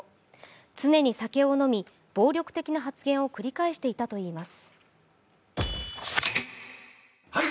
常に酒を飲み、暴力的な発言を繰り返していたといいます。